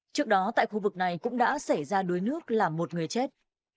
trước đó tại khu vực này cũng đã xảy ra đuối nước làm một người chết